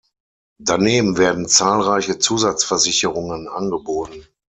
Daneben werden zahlreiche Zusatzversicherungen angeboten.